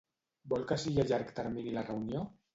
Vol que sigui a llarg termini la reunió?